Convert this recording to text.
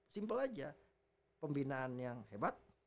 simple aja pembinaan yang hebat